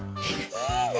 いいね。